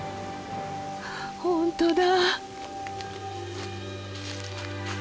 本当だ！